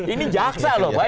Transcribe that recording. ini jaksa loh pak